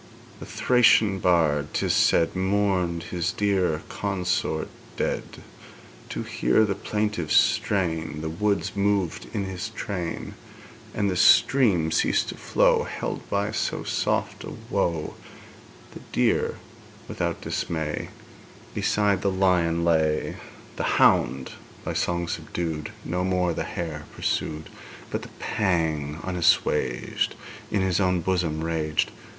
The Thracian bard, 'tis said, Mourned his dear consort dead; To hear the plaintive strain The woods moved in his train, And the stream ceased to flow, Held by so soft a woe; The deer without dismay Beside the lion lay; The hound, by song subdued, No more the hare pursued, But the pang unassuaged In his own bosom raged.